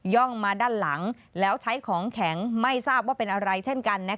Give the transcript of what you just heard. ่องมาด้านหลังแล้วใช้ของแข็งไม่ทราบว่าเป็นอะไรเช่นกัน